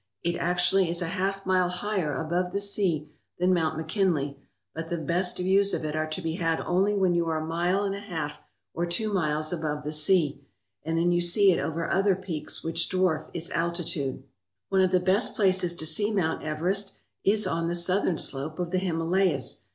It actually is a half mile higher above the sea than Mount McKinley, but the best views of it are to be had only when you are a mile and a half or two miles above the sea, and then you see it over other peaks which dwarf its altitude One of the best places to see Mount Everest is on the southern slope of the Himalayas.